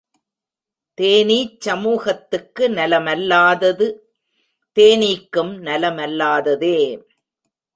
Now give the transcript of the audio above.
தேனீச் சமூகத்துக்கு நல மல்லாதது தேனீக்கும் நலமல்லாததே.